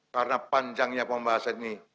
karena panjangnya pembahasan ini